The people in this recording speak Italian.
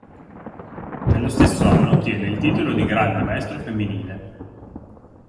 Nello stesso anno ottiene il titolo di grande maestro femminile.